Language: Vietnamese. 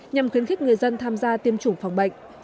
nhằm khuyến khích người dân tham gia tiêm chủng phòng bệnh